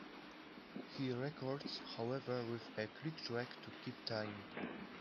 He records, however, with a click track to keep time.